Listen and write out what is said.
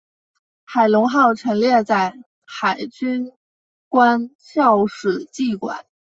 海龙号陈列在海军官校史绩馆。